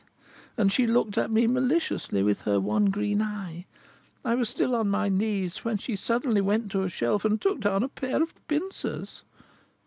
And she looked at me maliciously with her one green eye. I was still on my knees, when she suddenly went to a shelf and took down a pair of pincers."